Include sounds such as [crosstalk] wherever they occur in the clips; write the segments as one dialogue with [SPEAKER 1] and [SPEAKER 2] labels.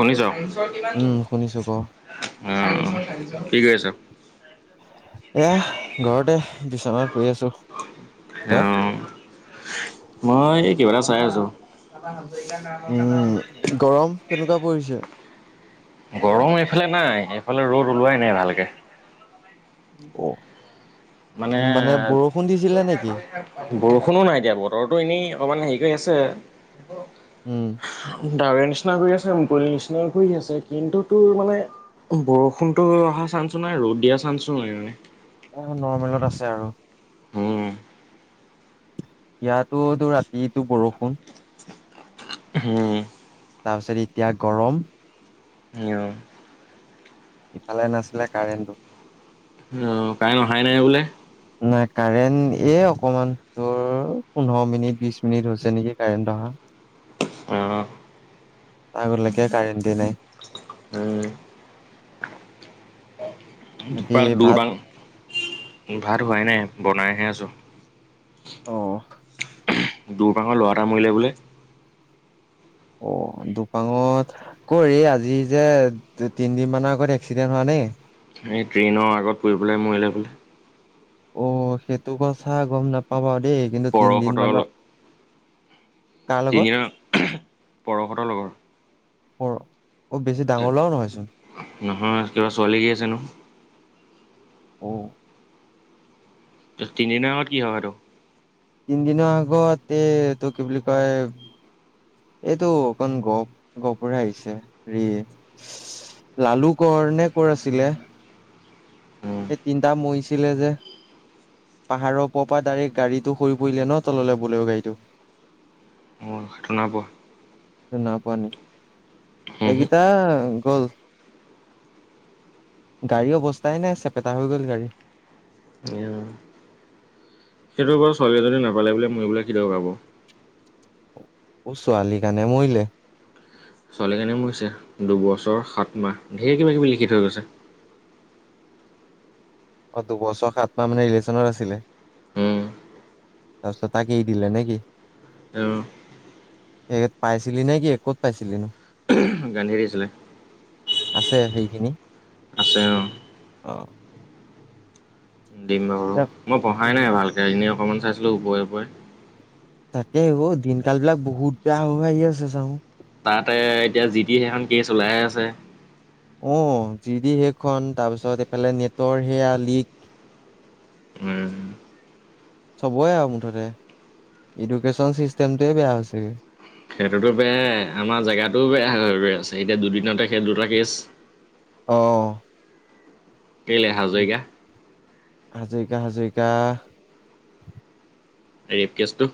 [SPEAKER 1] শুনিছ?
[SPEAKER 2] উম শুনিছো ক
[SPEAKER 1] উম। কি কৰিছ?
[SPEAKER 2] এয়া ঘৰতে বিচনাৰ
[SPEAKER 1] অহ, মই কিবা এটা চাই আছোঁ।
[SPEAKER 2] উম গৰম কেনেকুৱা পৰিছে?
[SPEAKER 1] গৰম এইফালে নাই এইফালে ৰ'দ ওলোৱাই নাই ভালকে। উম
[SPEAKER 2] অ
[SPEAKER 1] মানে
[SPEAKER 2] বৰষুণ দিছিলে নেকি
[SPEAKER 1] বৰষুণো নাই এতিয়া বতৰতো এনেই অকমান হেৰি কৰি আছে। যে
[SPEAKER 2] উম
[SPEAKER 1] [inaudible] ডাৱৰে নিচিনা কৰি আছে মুকলি নিচিনা ঘ আছে কিন্তু তোৰ মানে বৰষুণটো অহা চান্সো নাই ৰ'দ দিয়া চান্সো নাই মানে।
[SPEAKER 2] এ নৰ্মেলত আছে আৰু।
[SPEAKER 1] হম।
[SPEAKER 2] ইয়াতোটো ৰাতিতটো বৰষুণ।
[SPEAKER 1] হম
[SPEAKER 2] তাৰপিছত এতিয়া গৰম।
[SPEAKER 1] নিওঁ
[SPEAKER 2] ইফালে নাছিলে কাৰেণ্টটো।
[SPEAKER 1] অ কাৰনে অহাই নাই বোলে?
[SPEAKER 2] নাই কাৰেণ্ট এ অকমান তোৰ পোন্ধৰ মিনিট বিশ মিনিট হৈছে নেকি কাৰেণ্ট অহা।
[SPEAKER 1] অহ।
[SPEAKER 2] আগলৈকে কাৰেণ্টি নাই।
[SPEAKER 1] উম।
[SPEAKER 2] বাকী
[SPEAKER 1] দৰ
[SPEAKER 2] ভাত
[SPEAKER 1] বাং ভাত হোৱাই নাই। বনাইহে আছোঁ।
[SPEAKER 2] অ
[SPEAKER 1] দৰপাঙৰ ল'ৰা এটা মৰিলে বোলে?
[SPEAKER 2] অ দুপাঙত ক আজি যে তিনদিন মানৰ আগত এক্সিডেণ্ট হোৱা নে?
[SPEAKER 1] এই ট্ৰেইনৰ আগত পৰিুবেলাই মৰিলে বোলে?
[SPEAKER 2] অ সেইটো কথা গম নাপাব দেই কিন্তু তিনদিন মানত
[SPEAKER 1] তিনিজন, পৰশতৰ লগৰ।
[SPEAKER 2] পৰ অব বেছি ডাঙৰ লৰা নহয়চোন
[SPEAKER 1] নহয় কিবা ছোৱালী কেছ হেনো
[SPEAKER 2] আহ
[SPEAKER 1] তিনিদিনৰ আগত কি হয় এইতটো
[SPEAKER 2] তিনিদিনৰ আগতে তটো কি বুলি কয় এইটো অকণ গপ গপৰে আহিছে হেৰি লালু কৰ নে কৰ আছিলে সেই তিনিটা মৈচ ছিলে যে পাহাৰৰ ওপ পৰা ডাইৰেক্ট গাড়ীটো হৈ পৰিলে ন তললৈ বোলেৰ গাড়ীটো
[SPEAKER 1] তনা পোৱা
[SPEAKER 2] ন পোৱা নি এইগিটা গল, গাড়ী অৱস্থাই নাই চেপেটা হৈ গল গাড়ী
[SPEAKER 1] ছোৱালীজনী নাপালে বোলে মইবলে কি তই ভাব
[SPEAKER 2] ছোৱালী কাৰণে মৰিলে
[SPEAKER 1] ছোৱালী এজনী মৰিছে, দুবছৰ সাত মাহ, ধেৰ কিবা কিবি লিখি থৈ গৈছে
[SPEAKER 2] অ দুবছৰ সাত মাহ মানে ৰিলেচনৰ আছিলে তাৰপিছত তাক এৰি দিলে নেকি?
[SPEAKER 1] আহ
[SPEAKER 2] সেইত পাইছিলি নে কি ক'ত পাইছিলি নো
[SPEAKER 1] গান্ধী দিছিলে
[SPEAKER 2] আছে সেইখিনি
[SPEAKER 1] আছে অ
[SPEAKER 2] অঁ
[SPEAKER 1] দিম বাৰু মই পঢ়াই
[SPEAKER 2] উম
[SPEAKER 1] নাই ভালকে এনে অকণমান চাইছিলোঁ ওপৰে ওপৰে
[SPEAKER 2] তাকে অঁ দিনকাল বিলাক বহুত বেয়া হ হৈ আহি আছে চা কঁ
[SPEAKER 1] তাতে এতিয়া জি টি সেইখন কেছ ওলাই আছে।
[SPEAKER 2] অ জিদি সেইখন তাৰপিছত এইফালে নেটৰ সেয়া লিক
[SPEAKER 1] উম,
[SPEAKER 2] চবই আৰু মুঠতে এডুকেশচন চিষ্টেমটোৱে বেয়া হৈছেগে
[SPEAKER 1] সেইটোতো বেয়াই আমাৰ জেগাতটোও বেয়া হৈ গৈ আছে, এতিয়া দুদিনতে সেই দুটা কেচ
[SPEAKER 2] অ
[SPEAKER 1] কেলে হাজৰিকা
[SPEAKER 2] হাজৰিকা হাজৰিকা
[SPEAKER 1] ৰেপ কেছটো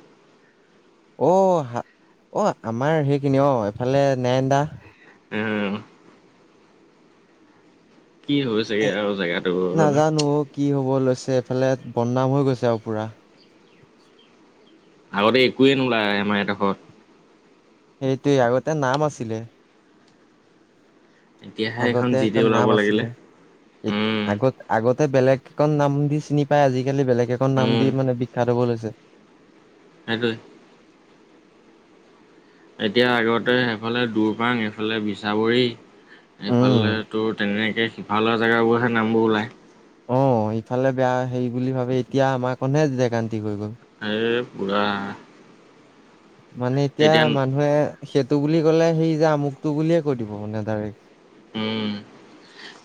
[SPEAKER 2] অ অ আমাৰ সেইখিনি অ এইফালে নয়ন দা
[SPEAKER 1] উম কি হৈছেগে আৰু জেগাটো
[SPEAKER 2] নাজানো অ কি হব লৈছে এইফালে বদনাম হৈ গৈছে আৰু পুৰা
[SPEAKER 1] আগতে একোৱে নোলায় আমাৰ এদখত
[SPEAKER 2] সেইটোৱেই আগতে নাম আছিলে
[SPEAKER 1] এতিয়াহে এইখন
[SPEAKER 2] আগতে
[SPEAKER 1] যি টি
[SPEAKER 2] এখন
[SPEAKER 1] ওলাব
[SPEAKER 2] নাম
[SPEAKER 1] লাগিলে
[SPEAKER 2] আছিলে
[SPEAKER 1] উম
[SPEAKER 2] আগত আগত তাতে বেলেগ এখন নাম দি চিনি পাই আজিকালি বেলেগ এখন নাম
[SPEAKER 1] উম
[SPEAKER 2] দি মানে বিখ্যাত হব লৈছে।
[SPEAKER 1] হেতুৱেই এতিয়া আগতে সেইফালে দূৰপাণ এইফালে বিচ চাবৰি এইফালে
[SPEAKER 2] উম,
[SPEAKER 1] তো তেনে তাকে সিফাল লোৱা জেগাবোৰহে নামবোৰ ওলায়
[SPEAKER 2] অ ইফালে বেয়া হেৰি বুলি ভাবে এতিয়া আমাৰ কণে যেগান্তি হৈ গ'ল
[SPEAKER 1] এই পূৰা
[SPEAKER 2] মানে এতিয়া মানুহে সেই তটো বুলি ক'লে সেই যে আমুক তটো বুলিয়ে কৈ দিব মানে ডাইৰেক্
[SPEAKER 1] উম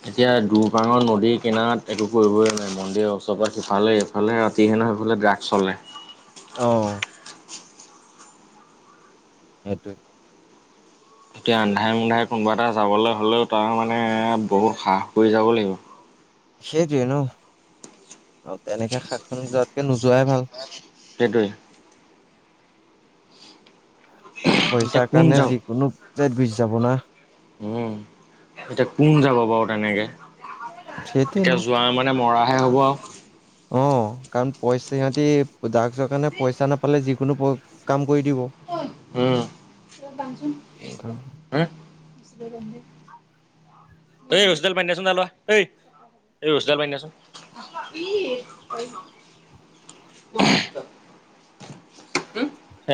[SPEAKER 1] এতিয়া দুপাঙৰ নদীৰ কিনাত একো কৰিবই নাই মন্দিৰ ওচৰ সিফালে এইফালে ৰাতি হেনহ সেইফালে ড্ৰাগ চলে
[SPEAKER 2] আহ সেইটোৱে
[SPEAKER 1] এতিয়া আন্ধাই মোন্ধাই কোনোবা এটা যাবলৈ হ'লেও তাৰ মানে বহুত হ্ৰাহস কৰি যাব লাগিব।
[SPEAKER 2] সেইটোৱে ন আৰু তেনেকে শাকখন যোৱাতকে নোযোৱাই ভাল।
[SPEAKER 1] সেইটোৱে এতিয়া
[SPEAKER 2] পইচাৰ
[SPEAKER 1] কোন
[SPEAKER 2] কাৰণে
[SPEAKER 1] যাওঁ
[SPEAKER 2] যিকোনো যাব না
[SPEAKER 1] উম এতিয়া কোন যাব বাৰু তেনেকে।
[SPEAKER 2] সেইটোৱে ন।
[SPEAKER 1] এতিয়া যোৱা মানে মৰাহে হ'ব আৰু
[SPEAKER 2] অ কাৰণ পইচা সিহঁতি ড্ৰাগছৰ কাৰণে পইচা নাপালে যিকোনো কাম কৰি দিব।
[SPEAKER 1] উম হ এ ৰচীডাল বান্ধি দিয়াচোন তালে এই ৰচীডাল বান্ধাচোন উ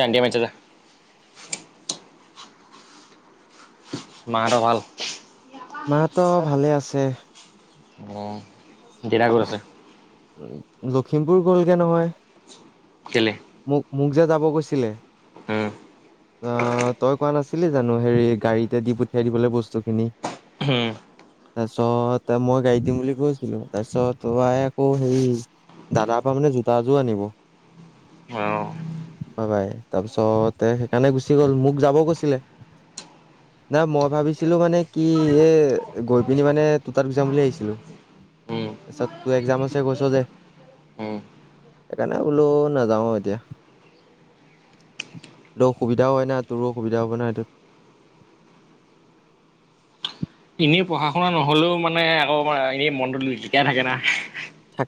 [SPEAKER 1] আমি বান্ধিছো যা মা সেটো ভাল
[SPEAKER 2] মা হত ভালে আছে।
[SPEAKER 1] অ ডেৰা গৈছিলো
[SPEAKER 2] লখিমপুৰ গলগে নহয়
[SPEAKER 1] কেলে
[SPEAKER 2] মোক মোক যে যাব গৈছিলে
[SPEAKER 1] উম
[SPEAKER 2] অ তই কত আছ ছিলে জানো হেৰি গাড়ীতে দি পঠিয়াই দিবলৈ বস্তু খিনি।
[SPEAKER 1] হম
[SPEAKER 2] তাৰ পিছত মই গাই দিম বুলি কৈছিলো। তাৰপিছত তই আকৌ হেৰি দাদাৰ পৰা মানে জোতা এযোৰ আনিব
[SPEAKER 1] অঁ
[SPEAKER 2] তাৰপিছত সেইকাৰণে গুচি গ'ল মোক যাব কৈছিলে নাই মই ভাবিছিলো মানে কি এ গৈ পিনি মানে ততাত যাম বুলি আহিছিলো
[SPEAKER 1] উম
[SPEAKER 2] তাৰপিছত তোৰ এক্জাম আছে কৈছ যে
[SPEAKER 1] উম
[SPEAKER 2] সেইকাৰণে বোলো নাযাও এতিয়া ব অসুবিধা হয় না তোৰো অসুবিধা হব ন সেইটোত।
[SPEAKER 1] এনেই পঢ়া শুনা নহলেও মানে আকৌ এনে মনটোতো জ জিকাই থাকে না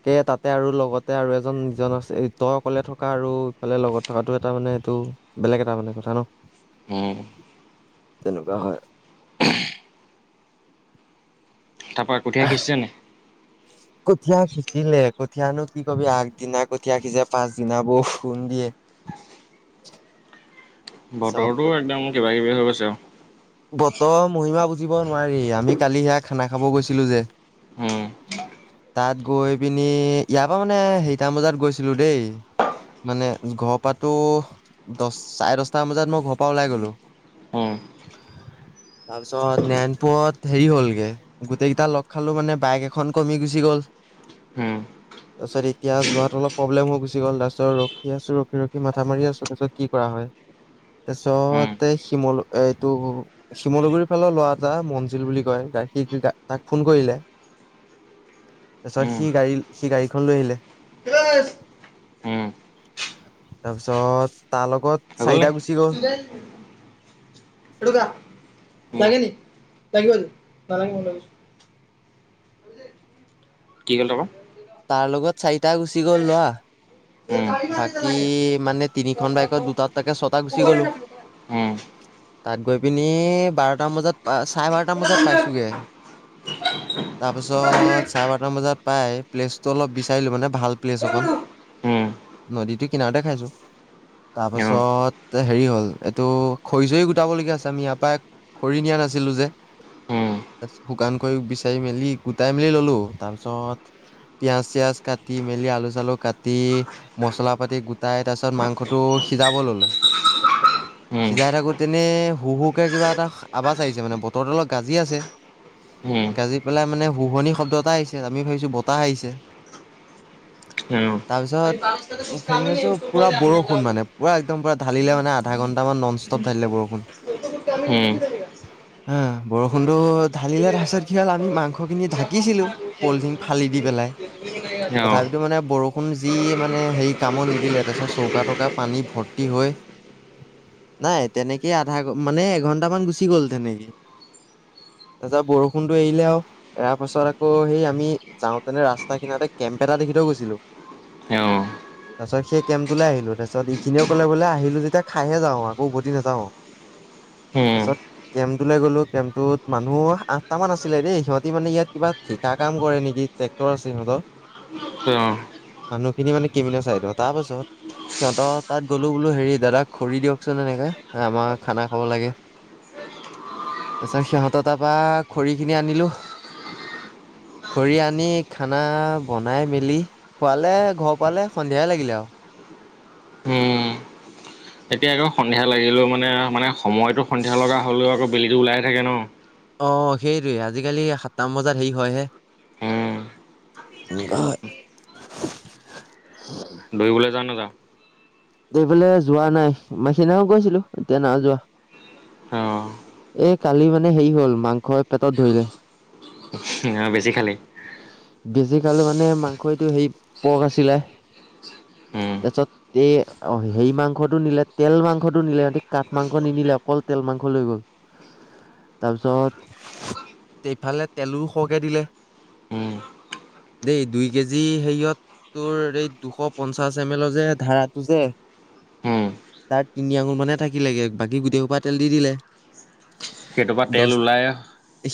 [SPEAKER 2] তাকে তাতে আৰু লগতে আৰু এজন ইজন আছে তই অকলে থকা আৰু ইফালে লগত থকাতটো এটা মানে এইটো বেলেগ এটা মানে কথা ন
[SPEAKER 1] উম,
[SPEAKER 2] তেনেকুৱা হয়
[SPEAKER 1] তাৰপৰা কঠীয়া সিঁচি ছনে
[SPEAKER 2] কঠীয়া সিচিলে কঠিয়ানো কি কবি আগদিনা কঠীয়া সিচে পাছদিনা বৰষুণ দিয়ে। চব
[SPEAKER 1] বতৰৰতো একদম কিবা কিবি হৈ গৈছে আৰু।
[SPEAKER 2] বতৰ মহিমা বুজিব নোৱাৰি আমি কালি সিয়া খানা খাব গৈছিলো যে।
[SPEAKER 1] উম,
[SPEAKER 2] তাত গৈ পিনি ইয়াৰ পৰা মানে সেইটাম বজাত গৈছিলো দেই মানে ঘৰ পৰাতো দহ চাৰে দহ আঠটা বজাত মই ঘৰ পৰা ওলাই গ'লো।
[SPEAKER 1] উম,
[SPEAKER 2] তাৰপিছত নাৰায়ণপুৰত হেৰি হ'লগে গোটেইকেইটা লগ খালো মানে বাইক এখন কমি গুচি গ'ল।
[SPEAKER 1] উম,
[SPEAKER 2] তাৰপিছত এতিয়া যোৱাত অলপ প্ৰব্লেম হৈ গুচি গ'ল তাৰপিছত ৰখি আছো ৰখি-ৰখি মাথা মাৰি আছো তাৰপিছত কি কৰা হয়।
[SPEAKER 1] উম,
[SPEAKER 2] তাৰপিছতে শিমল এইটো শিমলুগুৰি ফালৰ লৰা এটা মঞজিল বুলি কয়, সি তাক ফোন কৰিলে। তাৰপিছত
[SPEAKER 1] উম,
[SPEAKER 2] সি গাড়ী সি গাড়ীখন লৈ আহিলে
[SPEAKER 1] উম,
[SPEAKER 2] তাৰপিছত তাৰ লগত
[SPEAKER 1] হৈ
[SPEAKER 2] চাৰিটা
[SPEAKER 1] নে?
[SPEAKER 2] গুছি গ'ল।
[SPEAKER 1] লাগে নি? লাগিব এটো? নালাগে মই লি গৈছোঁ। কি কলে ক?
[SPEAKER 2] তাৰ লগত চাৰিটা গুচি গ'ল ল'ৰা।
[SPEAKER 1] উম, উম,
[SPEAKER 2] বাকী মানে তিনিখন বাইকত দুটা-দুটাকে ছটা গুচি গলো। তাত গৈ পিনি বাৰটামান বজাত চাৰে বাৰটা বজাত পাইছোগে তাৰপিছত চাৰে বাৰটাাম বজাত পাই প্লেচটো অলপ বিচাৰিলো মানে ভাল প্লেচ অকণ। নদীতটো কিনাৰতে খাইছো।
[SPEAKER 1] উম,
[SPEAKER 2] তাৰপাছত হেৰি হল এইটো খৰি ছৰি গোটাবলগীয়া আছে আমি ইয়াৰ পৰা খৰি নিয়া নাছিলো যে,
[SPEAKER 1] উম, উম,
[SPEAKER 2] শুকান খৰি বিচাৰি মেলি গোটাই মেলি ললো তাৰ পিছত পিয়াজ চিয়াজ কাটি মেলি আলু চালু কাটি মছলা পাতি গোটাই তাৰ পিছ মাংসটো সিজাব ললে
[SPEAKER 1] উম,
[SPEAKER 2] সিজাই থাকোতেনে হু-হুকে কিবা এটা আৱাজ আহিছে মানে বতৰটো অলপ গাজি আছে।
[SPEAKER 1] উম, উম, উম।
[SPEAKER 2] গাজি পেলাই মানে শুুৱনি শব্দ এটা আহিছে আমি ভাবিছো বতাহ আহিছে
[SPEAKER 1] অ',
[SPEAKER 2] তাৰপিছত হেৰিছো পুৰা বৰষুণ মানে পুৰা একদম পুৰা ঢালিলে মানে অধা ঘণ্টা মান নন ষ্টপ ঢালিলে বৰষুণ। অহ, বৰষুণটো ঢালিলে তাৰ পিছত মাংসখিনি ঢাকিচিলো পলথিন ফালি দি পেলাই তথাপিতো মানে বৰষুণ যি মানে হেৰি কামো নিদিলে তাৰ পিছত চৌকা তৌকা পানী ভৰ্তি হয়। নাই, তেনেকেই আধা ঘ মানে এঘন্টা মান গুচি গ'ল তেনেকে তাৰ পিছত বৰষুণতটো এৰিলে আৰু এৰাৰ পাছত আকৌ সেই আমি যাওঁতেনে ৰাস্তাখিনতে কেম্প এটা দেখি থই গৈছিলো।
[SPEAKER 1] অ',
[SPEAKER 2] তাৰপিছত সেই কেম্পটোলৈ আহিলো তাৰপিছত এইখিনিয়ও কলে বোলে আহিলো যেতিয়া খাইহে যাওঁ আকৌ উভতি নাযাও।
[SPEAKER 1] উম,
[SPEAKER 2] তাৰপিছত কেম্পটো গলো কেম্পটোত মানুহ আঠটামান আছিলে দেই সিহঁতি মানে ইয়াত কিবা ঠিকা কাম কৰে নেকি ট্ৰেক্টৰ আছে সিহঁতৰ।
[SPEAKER 1] অ'।
[SPEAKER 2] মানুহ খিনি মানে। [unintelligible] তাৰ পাছত, সিহঁতৰ তাত গলো বোলো হেৰি দাদা খৰি দিয়কচোন এনেকাে আমাৰ খানা খাব লাগে তাৰ পিছত সিহঁত তাৰপা খৰি খিনি আনিলো, খৰি আনি খানা বনাই মেলি খোৱালে ঘৰ পালে সন্ধিয়াই লাগিলে আৰু।
[SPEAKER 1] উম এতিয়া আকৌ সন্ধিয়া লাগিলে মানে মানে-মানে সময়তো সন্ধিয়া লগা হ'লেও আকৌ বেলিটো ওলাইে থাকে ন?
[SPEAKER 2] অ সেইটোৱে আজিকালি সাতটাম বজাত হেৰি হয়হে।
[SPEAKER 1] উম দৌৰিবলৈ যাও নাযাও?
[SPEAKER 2] এইফোলে যোৱা নাই, সেই দিনাখন গৈছিলো এতিয়া না যোৱা। এই কালি মানে হেৰি হল মাংস পেটত ধৰিলে।
[SPEAKER 1] অ বেছি খালি?
[SPEAKER 2] বেছি খলি মানে মাংসইটো সেই পক আছিলে।
[SPEAKER 1] উম
[SPEAKER 2] তাৰপিছত এই অ সেই মাংসটো নিলে তেল মাংসটো নিলে সিহতি কাঠ মাংস নিনিলে অকল তেল মাংস লৈ গল। তাৰপিছত এইফালে তেলো সৰহকে দিলে
[SPEAKER 1] উম
[SPEAKER 2] দেই দুই কেজি হেৰিয়ত তোৰ এই দুশ পঞ্চাশ এম এলৰ যে ধাৰাটো যে।
[SPEAKER 1] উম
[SPEAKER 2] তাত তিনি আঙুৰ মানে থাকিলেগে বাকী গোটেই সোপা তেল দি দিলে।
[SPEAKER 1] সেইটোৰপা
[SPEAKER 2] দহ
[SPEAKER 1] তেল ওলায়।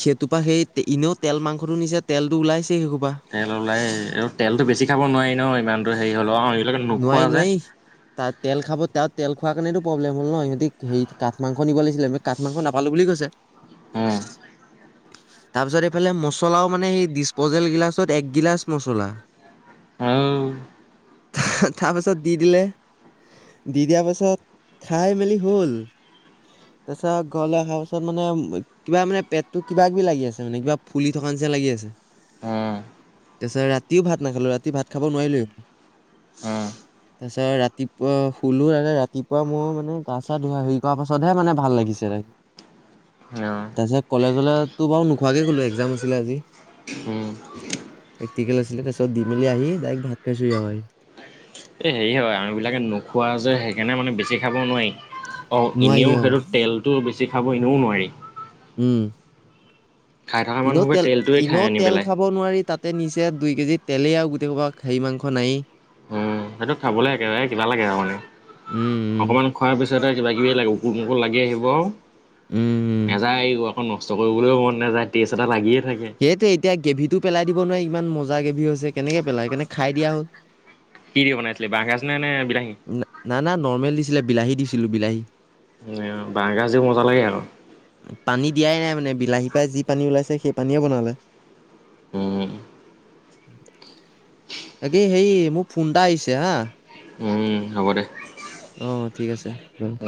[SPEAKER 2] সেইটোপা সেই এনেও তেল মাংসটো নিছে তেলটো ওলাইছে। সেইসোপা
[SPEAKER 1] তেল ওলাই আৰু তেলতো বেছি খাব নোৱাৰি নহৈ। হেৰি হ'ল এইিলে নোখোৱা
[SPEAKER 2] নোৱাৰি
[SPEAKER 1] যে।
[SPEAKER 2] নোৱাৰি তাত তেল খাব তাত তেল খোৱাৰ কাৰণো প্ৰব্লেম হল ন, সিহঁতি হ কাঠ মাংস নিব লাগিছিলে কাঠ মাংস নাপালো বুলি কৈছে।
[SPEAKER 1] উম
[SPEAKER 2] তাৰ পিছত এইফালে মচলাও মানে সেই ডিচপজল গিলাচত একগিলাচ মছলা।
[SPEAKER 1] উম উম উম
[SPEAKER 2] তাৰপিছত দি দিলে। দি দিয়া পিছত খাই মেলি হল তাৰপিছত ঘৰলে অহাৰ পাছত মানে কিবা মানে পেটটো কিবা-কিবি লাগি আছে মানে কিবা ফুলি থকা নিচ লাগি আছে, তাৰপিছত ৰাতিও ভাত নাখালো ৰাতি ভাত খাব নোৱাৰিলো। তাৰপিছত ৰাতিপুৱা শুলো ৰাতিপুৱা মোৰ মানে গা চা ধুই হেৰি কৰি পাছতহে মানে ভাল লাগিছে।
[SPEAKER 1] অ',
[SPEAKER 2] তাৰপিছত কলেজলেতো বাৰু নোখোৱাকে কলো এক্জাম আছিলে আজি,
[SPEAKER 1] উম
[SPEAKER 2] প্ৰেক্টিকেল আছিলে। তাৰ পিছত দি মেলি আহিক ভাত খাইছো হি আৰু আহি।
[SPEAKER 1] এ হেৰি হয় আম বিলাকে নোখোৱা যে সেইকাৰণে মানে বেছি খাব নোৱাৰি। অ
[SPEAKER 2] নোৱাৰি
[SPEAKER 1] এনেও
[SPEAKER 2] অ
[SPEAKER 1] সেইটো তেলতটো বেছি বেছি খাব এনেও নোৱাৰি।
[SPEAKER 2] উম।
[SPEAKER 1] খাই থকা
[SPEAKER 2] এনেও
[SPEAKER 1] মানুহবোৰে
[SPEAKER 2] তেল,
[SPEAKER 1] তেলটোৱে খাই
[SPEAKER 2] ইনেও
[SPEAKER 1] আনি
[SPEAKER 2] তেল
[SPEAKER 1] পেলাই
[SPEAKER 2] খাব নোৱাৰি তাত তাতে নিচে দুই কেজি তেলেই আৰু গোটেই হপা হেৰি মাংস নায়েই।
[SPEAKER 1] উম সেইটো খাবলে একেৰাহে কিবা লাগে আৰু মানে
[SPEAKER 2] উম উম
[SPEAKER 1] অকমান খোৱাৰ পিছত পিছতে কিবা কিবি লাগে উকুৰ মুকুৰ লাগি আহিব আৰু
[SPEAKER 2] উম উম
[SPEAKER 1] নাযায় নষ্ট কৰিবলৈও মন নাযায়। টেষ্ট এটা লাগিয়ে থাকে
[SPEAKER 2] সেইটোৱে এতিয়া গেভিটো পেলাই দিব নোৱাৰি ইমান মজা গেভি হৈছে, কেনেকে পেলাও, সেইকাৰণে খাই দিয়া হ'ল।
[SPEAKER 1] কি দি বনাইছিলে বাহ গাজ নে বি
[SPEAKER 2] না না নৰ্মেল ডিচ। ছিল বিলাহী দিছিলো বিলাহী।
[SPEAKER 1] বাহগাজো মজা লাগে আকৌ।
[SPEAKER 2] পানী দিয়াই নাই মানে বিলাহী পাই যি পানী ওলাইছে সেই পানীয়ে বনালে ।
[SPEAKER 1] উম
[SPEAKER 2] বাকি হেৰি মোক ফোনটা আহিছে হা।
[SPEAKER 1] উম হ'ব দে
[SPEAKER 2] অ ঠিক আছে, বাৰু।